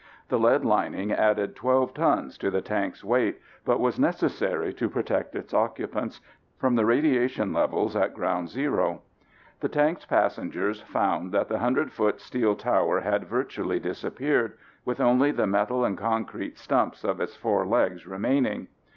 The lead lining added 12 tons to the tank's weight, but was necessary to protect its occupants from the radiation levels at ground zero. The tank's passengers found that the 100 foot steel tower had virtually disappeared, with only the metal and concrete stumps of its four legs remaining.